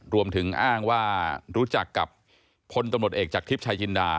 รวมถึงอ้างว่ารู้จักกับพลตำรวจเอกจากทิพย์ชายจินดา